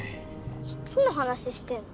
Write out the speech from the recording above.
いつの話してんの？